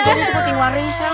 oh jadi itu kucing warisan